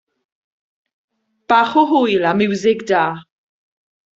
Bach o hwyl a miwsig da.